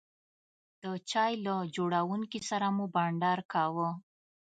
د چای له جوړونکي سره مو بانډار کاوه.